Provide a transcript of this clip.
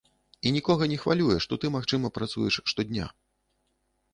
І нікога не хвалюе, што ты, магчыма, працуеш штодня.